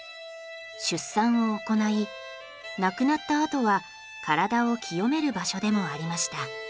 出産を行い亡くなったあとは体を清める場所でもありました。